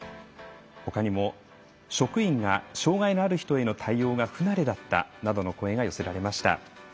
ほかにも職員が障害のある人への対応が不慣れだったなどの声が寄せられました。